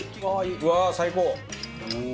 うわー最高！